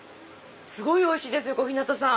すごいおいしいです小日向さん。